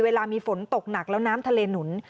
เวลามีฝนตกหนักแล้วน้ำทะเลหนุน